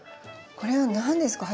これは何ですか？